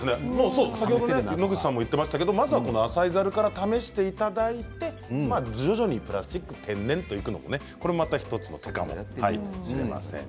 野口さんも言っていましたけれども浅いざるから試していただいて徐々にプラスチック、天然といくのも１つの手かもしれません。